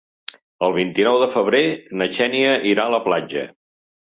El vint-i-nou de febrer na Xènia irà a la platja.